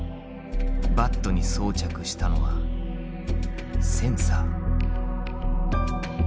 バットに装着したのはセンサー。